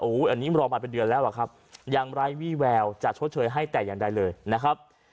อันนี้รอมาเป็นเดือนแล้วล่ะครับยังไร้วี่แววจะชดเชยให้แต่อย่างใดเลยนะครับ